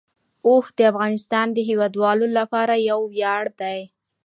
اوښ د افغانستان د هیوادوالو لپاره یو ویاړ دی.